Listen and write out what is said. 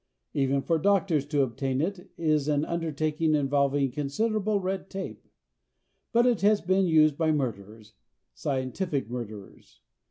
Even for doctors to obtain it is an undertaking involving considerable red tape. But it has been used by murderers scientific murderers.